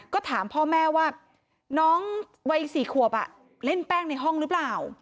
ก็ถามพ่อแม่ว่าน้องวัย๔ขวบเล่นแป้งในห้องหรือเปล่า